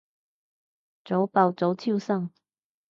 早爆早超生